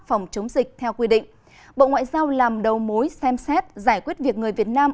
phòng chống dịch theo quy định bộ ngoại giao làm đầu mối xem xét giải quyết việc người việt nam